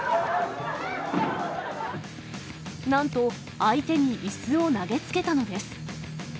なんと、相手にいすを投げつけたのです。